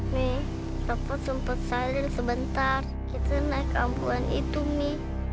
mi rafa sempet salir sebentar kita naik ambulan itu mi